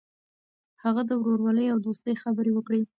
هغه د ورورولۍ او دوستۍ خبرې وکړې.